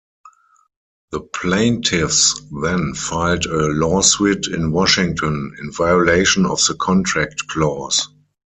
The plaintiffs then filed a lawsuit in Washington, in violation of the contract clause.